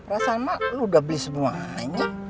rasanya lo udah beli semuanya